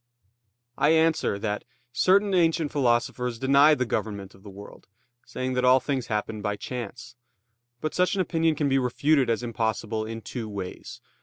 I answer that, Certain ancient philosophers denied the government of the world, saying that all things happened by chance. But such an opinion can be refuted as impossible in two ways.